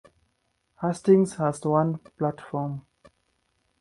Hastings has one platform.